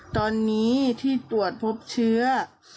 ตอนนี้ที่ตรวจพบเชื้อ